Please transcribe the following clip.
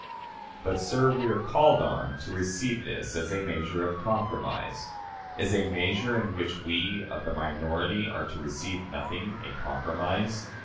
But, sir, we are called on to receive this as a measure of compromise! Is a measure in which we of the minority are to receive nothing a compromise?